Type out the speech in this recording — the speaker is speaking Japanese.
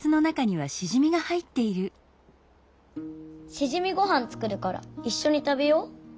しじみごはん作るからいっしょに食べよう。